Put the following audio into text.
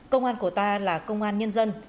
công an của ta là công an nhân dân